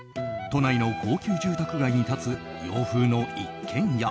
都内の高級住宅街に立つ洋風の一軒家。